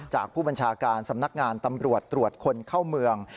จากผู้บัญชาการสำนักงานตำรวจตรวจคนเข้าเมือง